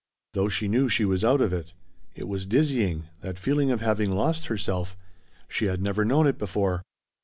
Though she knew she was out of it. It was dizzying that feeling of having lost herself. She had never known it before.